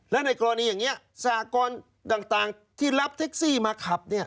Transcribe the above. และในกรณีอย่างนี้สหกรต่างที่รับแท็กซี่มาขับ